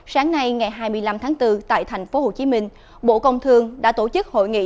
sáng nay ngày hai mươi năm tháng bốn tại thành phố hồ chí minh bộ công thương đã tổ chức hội nghị